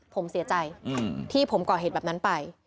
ผมเสียใจที่ผมก่อเหตุแบบนั้นไป